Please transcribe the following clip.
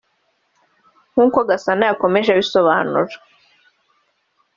nk’uko Gasana yakomeje abisobanura